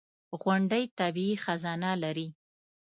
• غونډۍ طبیعي خزانه لري.